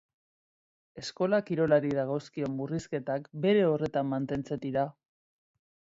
Eskola kirolari dagozkion murrizketak bere horretan mantentzen dira.